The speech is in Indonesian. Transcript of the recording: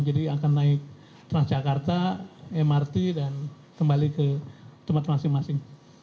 jadi akan naik transjakarta mrt dan kembali ke tempat masing masing